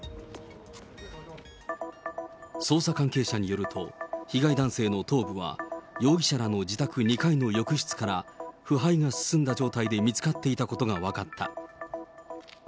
捜査関係者によると、被害男性の頭部は、容疑者らの自宅２階の浴室から、腐敗が進んだ状態で見つかっていたことが分かった。